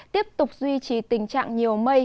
tiếp tục duy trì tình trạng nhiều mây